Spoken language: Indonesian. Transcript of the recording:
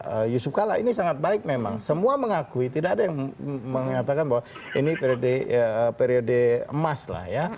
dan pak yusuf kalla ini sangat baik memang semua mengakui tidak ada yang mengatakan bahwa ini periode emas lah ya